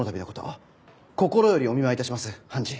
心よりお見舞い致します判事。